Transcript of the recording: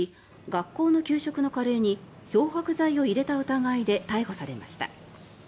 学校の給食のカレーに漂白剤を入れた疑いで逮捕されました。